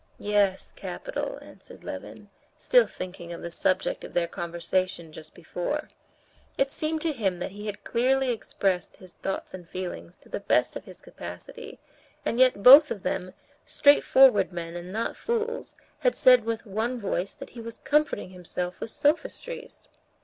"Yes, capital," answered Levin, still thinking of the subject of their conversation just before. It seemed to him that he had clearly expressed his thoughts and feelings to the best of his capacity, and yet both of them, straightforward men and not fools, had said with one voice that he was comforting himself with sophistries.